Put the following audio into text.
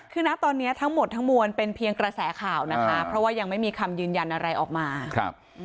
คือนะตอนนี้ทั้งหมดทั้งมวลเป็นเพียงกระแสข่าวนะคะเพราะว่ายังไม่มีคำยืนยันอะไรออกมาครับ